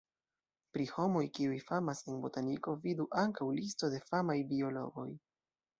Pri homoj, kiuj famas en botaniko vidu ankaŭ: listo de famaj biologoj.